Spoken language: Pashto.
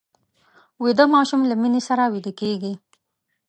ویده ماشوم له مینې سره ویده کېږي